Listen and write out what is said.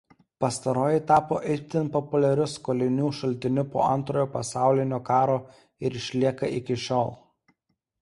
Pastaroji tapo itin populiariu skolinių šaltiniu po Antrojo Pasaulinio karo ir išlieka iki šiol.